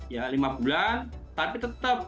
ya lima bulan tapi tetap